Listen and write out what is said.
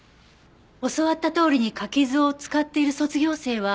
教わったとおりに柿酢を使っている卒業生はいない？